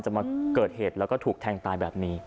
มาเกิดเหตุแล้วก็ถูกแทงตายแบบนี้